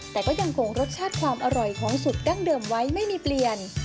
แต่ก็ยังคงรสชาติความอร่อยของสูตรดั้งเดิมไว้ไม่มีเปลี่ยน